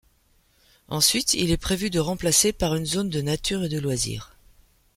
Ensuite il est prévu de remplacer par une zone de nature et de loisirs.